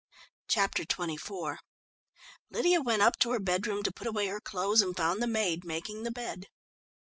Chapter XXIV Lydia went up to her bedroom to put away her clothes and found the maid making the bed.